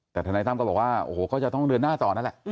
แต่ทนายตั้มก็บอกว่าโอ้โหก็จะต้องเดินหน้าต่อนั่นแหละ